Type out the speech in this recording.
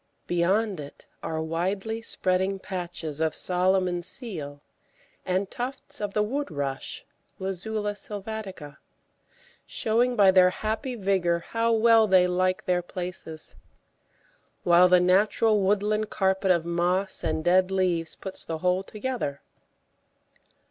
Beyond it are widely spreading patches of Solomon's Seal and tufts of the Wood rush (Luzula sylvatica), showing by their happy vigour how well they like their places, while the natural woodland carpet of moss and dead leaves puts the whole together.